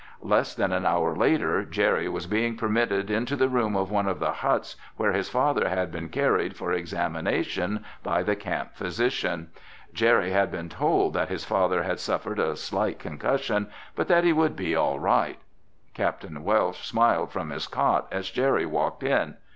Less than an hour later Jerry was being permitted into the room of one of the huts where his father had been carried for examination by the camp physician. Jerry had been told that his father had suffered a slight concussion, but that he would be all right. Capt. Welsh smiled from his cot as Jerry walked in.